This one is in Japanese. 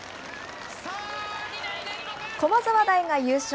駒沢大が優勝。